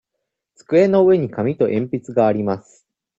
机の上に紙と鉛筆があります。